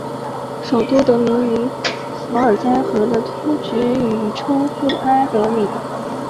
首都得名于伏尔加河的突厥语称呼阿的里。